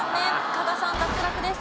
加賀さん脱落です。